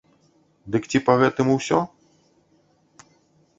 Дык ці па гэтым усё?